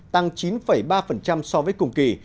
tăng chín ba so với cùng kỳ